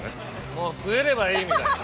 もう食えればいいみたいな。